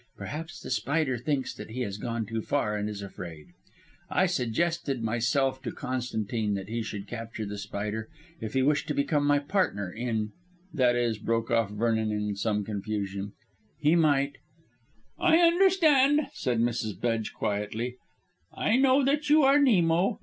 Perhaps The Spider thinks that he has gone too far, and is afraid. I suggested myself to Constantine that he should capture The Spider if he wished to become my partner in that is," broke off Vernon in some confusion, "he might " "I understand," said Mrs. Bedge quietly; "I know that you are Nemo.